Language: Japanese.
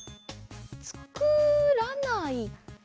つくらないかな？